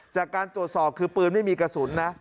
จากการตรวจสอบคือปืนไม่มีกระสุนนะ